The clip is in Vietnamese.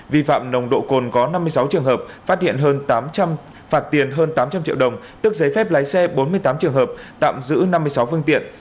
vi phạm nồng độ cồn có năm mươi sáu trường hợp phát hiện hơn tám trăm linh triệu đồng tước giấy phép lái xe bốn mươi tám trường hợp tạm giữ năm mươi sáu phương tiện